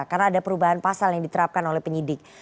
karena ada perubahan pasal yang diterapkan oleh penyidik